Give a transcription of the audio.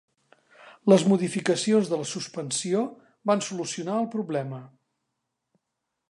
Les modificacions de la suspensió van solucionar el problema.